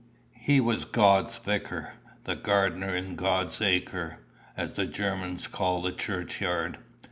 He was God's vicar, the gardener in God's Acre, as the Germans call the churchyard.